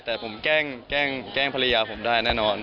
แต่ผมแกล้งภรรยาผมได้แน่นอน